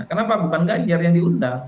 kenapa bukan ganjar yang diundang